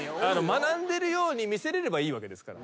学んでるように見せられればいいわけですから。